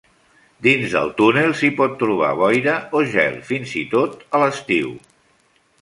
Dins del túnel s'hi pot trobar boira o gel, fins i tot a l'estiu.